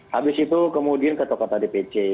habis itu kemudian ketua ketua dpc